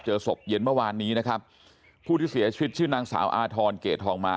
ศพเย็นเมื่อวานนี้นะครับผู้ที่เสียชีวิตชื่อนางสาวอาธรณ์เกรดทองมา